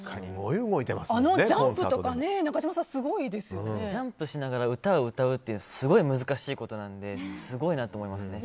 あのジャンプとかジャンプしながら歌うってすごい難しいことなのですごいなと思います。